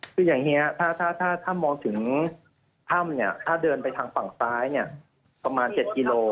คืออย่างนี้ถ้ามองถึงถ้ำเนี่ยถ้าเดินไปทางฝั่งซ้ายเนี่ยประมาณ๗กิโล